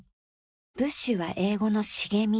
ブッシュは英語の「茂み」